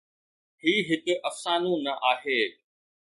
هي هڪ افسانو نه آهي.